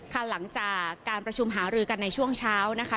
หลังจากการประชุมหารือกันในช่วงเช้านะคะ